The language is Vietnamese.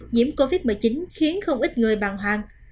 nhiễm covid một mươi chín khiến không ít người bàng hoàng